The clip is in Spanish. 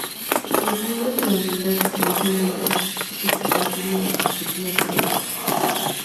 Los miembros de la banda utilizan nombres artísticos que contienen la partícula troll.